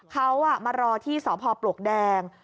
เขามารอที่สพปลวกแดง